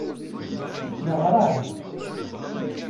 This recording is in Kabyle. Neɣra-d.